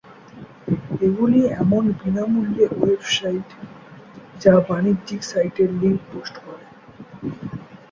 এগুলি এমন বিনামূল্যে ওয়েবসাইট যা বাণিজ্যিক সাইটের লিঙ্ক পোস্ট করে।